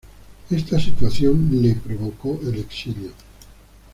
Esta situación le provocó el exilio.